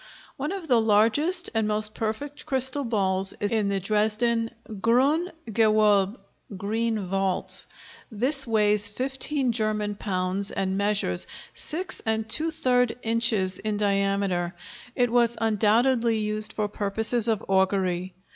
One of the largest and most perfect crystal balls is in the Dresden "Grüne Gewölbe" (Green Vaults). This weighs 15 German pounds and measures 6⅔ inches in diameter; it was undoubtedly used for purposes of augury.